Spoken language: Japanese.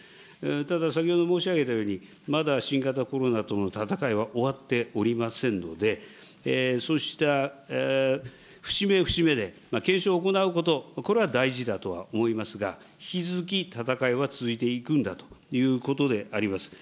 ただ、先ほど申し上げたように、まだ新型コロナとの闘いは終わっておりませんので、そうした節目節目で、検証を行うこと、これは大事だとは思いますが、引き続き闘いは続いていくんだということであります。